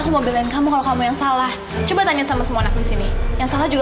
aku mau belain kamu kalau kamu yang salah coba tanya sama semua anak di sini yang salah juga